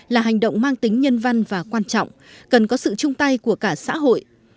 là hành động mang tính nhân văn và quan trọng cần có sự chung tay của cả xã hội